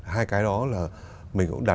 hai cái đó là